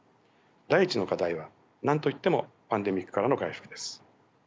第１の課題は何と言ってもパンデミックからの回復です。